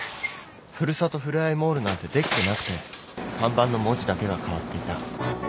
ふるさとふれあいモールなんてできてなくて看板の文字だけが変わっていた。